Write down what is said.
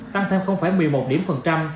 tăng thêm một mươi một điểm phần trăm